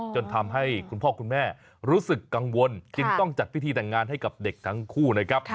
จนทำให้คุณพ่อคุณแม่รู้สึกกังวลจึงต้องจัดพิธีแต่งงานให้กับเด็กทั้งคู่นะครับ